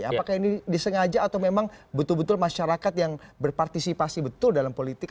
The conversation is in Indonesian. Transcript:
apakah ini disengaja atau memang betul betul masyarakat yang berpartisipasi betul dalam politik